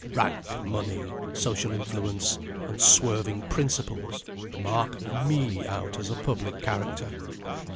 Rank, money, social influence, unswerving principles, mark ME out as a public character.